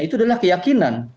itu adalah keyakinan